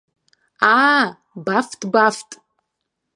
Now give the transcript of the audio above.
Аа, бафт, бафт!